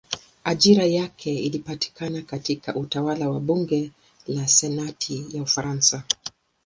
Ajira yake ilipatikana katika utawala wa bunge la senati ya Ufaransa.